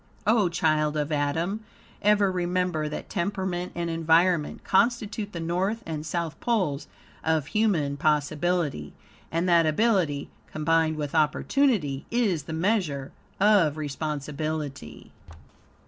O child of Adam! Ever remember that temperament and environment constitute the north and south poles of human possibility, and that ability, combined with opportunity, is the measure of responsibility.